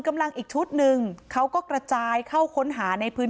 กำลังอีกชุดหนึ่งเขาก็กระจายเข้าค้นหาในพื้น